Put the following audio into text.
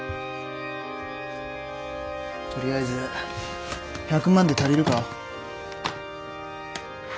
とりあえず１００万で足りるか？